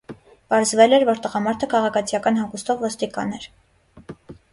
Պարզվել էր, որ տղամարդը քաղաքացիական հագուստով ոստիկան էր։